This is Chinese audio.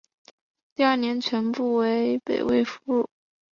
第二年全部成为北魏俘虏。